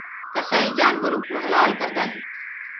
ڪسآئي جآنورآ ڪوُ هلآ ڪردآ هينٚ